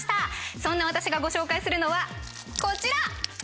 そんな私がご紹介するのはこちら！